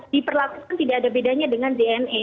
diperlakukan tidak ada bedanya dengan dna